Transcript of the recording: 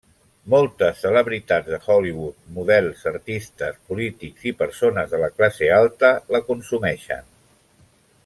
Moltes celebritats de Hollywood, models, artistes, polítics i persones de la classe alta la consumeixen.